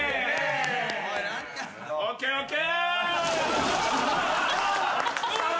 ＯＫＯＫ！